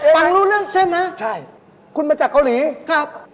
ฟังรู้เรื่องใช่ไหมใช่คุณมาจากเกาหลีครับ